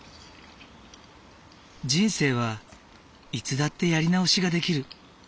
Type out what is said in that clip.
人生はいつだってやり直しができる。